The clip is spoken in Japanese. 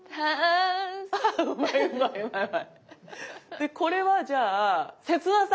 でこれはじゃあ切なさ。